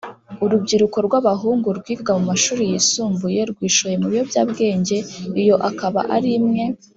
Urubyiruko rw abahungu rwigaga mu mashuri yisumbuye rwishoye mu biyobyabwenge iyo ikaba ari imwe